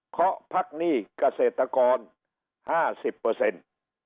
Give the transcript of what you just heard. เขาพักหนี้เกษตรกร๕๐เปอร์เซ็นต์